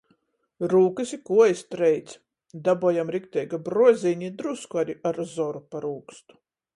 Rūkys i kuojis treic. Dabojam rikteiga bruozīņa i drusku ari ar zoru par ūkstu.